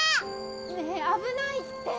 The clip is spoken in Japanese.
ねえ危ないって。